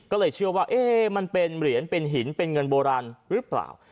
ก็เลยเชื่อว่ามันเป็นเหรียญเป็นหินเป็นเงินโบราณหรือเปล่า